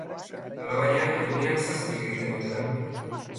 Alabaina, egunean zazpik egiten dute lan.